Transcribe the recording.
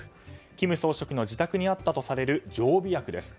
金総書記の自宅にあったとされる常備薬です。